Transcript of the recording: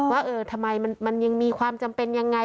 ว่าเออทำไมมันยังมีความจำเป็นยังไง